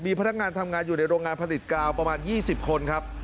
พนักงานทำงานอยู่ในโรงงานผลิตกาวประมาณ๒๐คนครับ